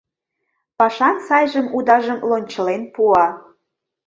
Пашан сайжым-удажым лончылен пуа.